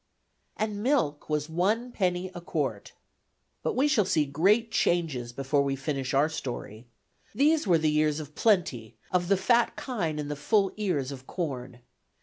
And milk was one penny a quart! But we shall see great changes before we finish our story. These were the years of plenty, of the fat kine and the full ears of corn.